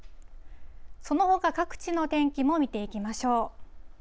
そのほか、各地の天気も見ていきましょう。